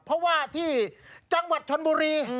เพราะว่าที่จังหวัดชนบุรี